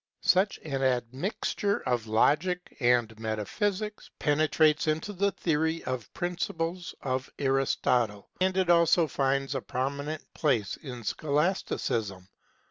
Such an admixture of Logic and Metaphysics penetrates into the theory of Principles of Aristotle, and it also finds a prominent place in Scholasticism.